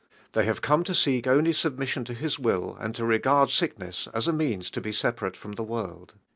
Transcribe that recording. They have come to seek only submission to His will and to regard sickness us a means to be separate from the world.